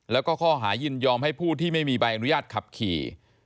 แล้วก็ข้อหายินยอมให้ผู้ที่ไม่มีใบอนุญาตขับขี่